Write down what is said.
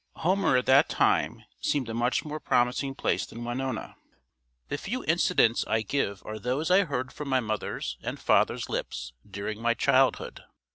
Homer at that time seemed a much more promising place than Winona. The few incidents I give are those I heard from my mother's and father's lips during my childhood.